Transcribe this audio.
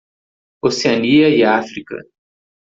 Oceania e África.